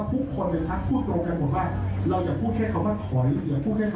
ผมว่าเราก็ต้องให้พื้นที่